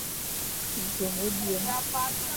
Nẑen ébyen.